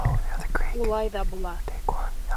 — Улай ҙа була.